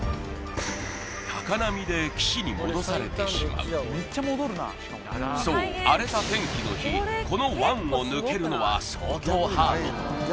高波で岸に戻されてしまうそう荒れた天気の日この湾を抜けるのは相当ハード